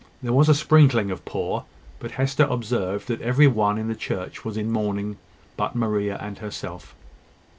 There was a sprinkling of poor; but Hester observed that every one in the church was in mourning but Maria and herself.